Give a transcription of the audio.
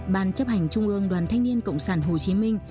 ban chấp hành trung ương đoàn thanh niên cộng sản hồ chí minh